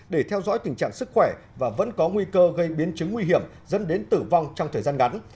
để theo dõi tình trạng sức khỏe và vẫn có nguy cơ gây biến chứng nguy hiểm dẫn đến tử vong trong thời gian ngắn